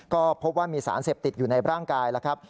ก็พบว่ามีสารเสพติดอยู่ในร่างกายแล้วครับ